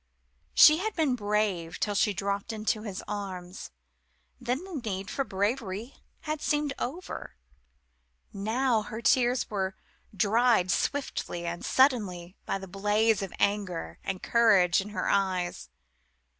She had been brave till she had dropped into his arms. Then the need for bravery had seemed over. Now her tears were dried swiftly and suddenly by the blaze of anger and courage in her eyes.